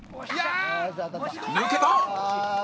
抜けた！